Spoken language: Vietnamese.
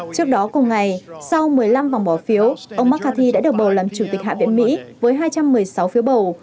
trước đó cùng ngày sau một mươi năm vòng bỏ phiếu ông mccarthy đã được bầu làm chủ tịch hạ viện mỹ với hai trăm một mươi sáu phiếu bầu